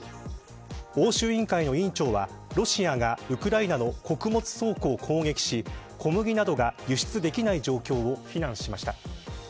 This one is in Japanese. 欧州委員会の委員長はロシアがウクライナの穀物倉庫を攻撃し小麦などが輸出できない状況を非難しました。